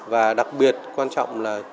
và đặc biệt quan trọng là